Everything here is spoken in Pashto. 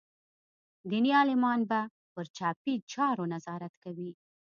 دیني عالمان به پر چاپي چارو نظارت کوي.